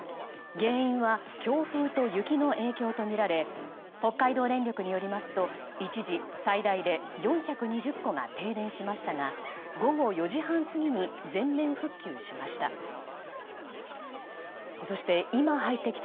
原因は強風と雪の影響とみられ北海道電力によりますと一時最大で４２０戸が停電しましたが午後４時半過ぎに全面復旧しました。